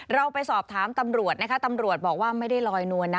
เราไปสอบถามตำรวจนะคะตำรวจบอกว่าไม่ได้ลอยนวลนะ